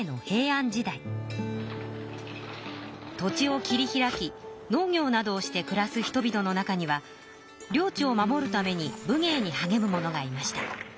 土地を切り開き農業などをしてくらす人々の中には領地を守るために武芸にはげむ者がいました。